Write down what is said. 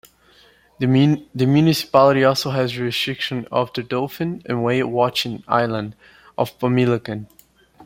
The municipality also has jurisdiction over the dolphin- and whale-watching island of Pamilacan.